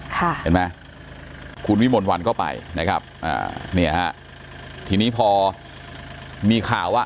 เห็นไหมคุณวิมลวันก็ไปนะครับอ่าเนี่ยฮะทีนี้พอมีข่าวว่า